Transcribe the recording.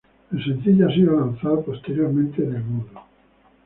El sencillo ha sido lanzado posteriormente en el mundo.